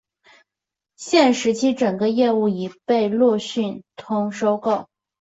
现时整个业务已被路讯通收购。